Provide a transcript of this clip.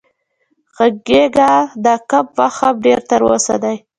غږېږه دا کم وخت هم ډېر تر اوسه دی